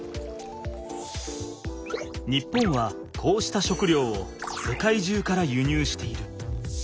日本はこうした食料を世界中から輸入している。